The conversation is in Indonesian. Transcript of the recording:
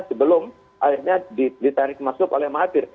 sebelum akhirnya ditarik masuk oleh mahathir